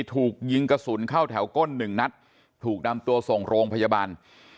ถูกยิงกระสุนเข้าแถวก้นหนึ่งนัดถูกนำตัวส่งโรงพยาบาล